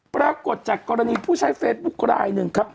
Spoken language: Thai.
ปรากฏจากกรณีผู้ใช้เฟซบุ๊คลายหนึ่งครับ